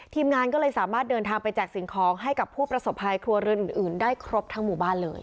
ทีมงานก็เลยสามารถเดินทางไปแจกสิ่งของให้กับผู้ประสบภัยครัวเรือนอื่นได้ครบทั้งหมู่บ้านเลย